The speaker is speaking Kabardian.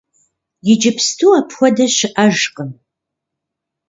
Иджыпсту апхуэдэ щыӀэжкъым.